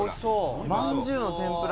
まんじゅうの天ぷら。